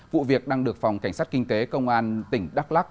vụ việc đang được phòng cảnh sát kinh tế công an tỉnh đắk lắc